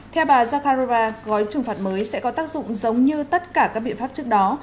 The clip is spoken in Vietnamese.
theo bà jakarrora gói trừng phạt mới sẽ có tác dụng giống như tất cả các biện pháp trước đó